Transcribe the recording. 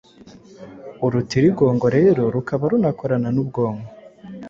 Urutirigongo rero rukaba runakorana n’ubwonko